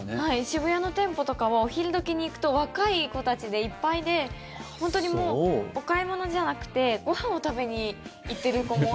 渋谷の店舗とかはお昼時に行くと若い子たちでいっぱいで本当にもうお買い物じゃなくてご飯を食べに行ってる子も。